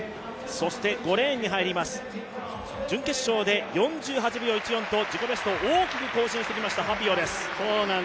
そして、５レーンに入ります準決勝で４８秒１４と自己ベストを大きく更新してきましたハピオです。